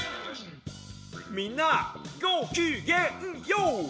みんなごきげんＹＯ！